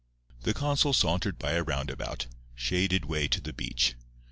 The consul sauntered by a roundabout, shaded way to the beach.